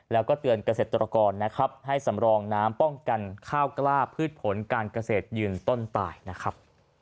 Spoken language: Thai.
แล้วก็เตือนเกษตรกรนะครับให้สำรองน้ำป้องกันข้าวกล้าพืชผลการเกษตรยืนต้นตายนะครับ